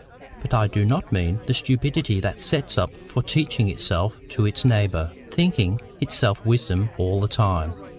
But I do not mean the stupidity that sets up for teaching itself to its neighbour, thinking itself wisdom all the time.